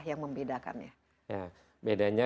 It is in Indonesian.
yang membedakannya ya bedanya